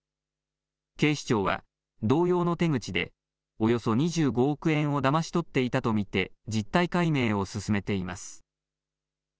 警視庁は同様の手口で、およそ２５億円をだまし取っていたと見て、実態解明を進めています。